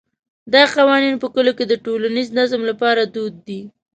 دا قوانین په کلیو کې د ټولنیز نظم لپاره دود دي.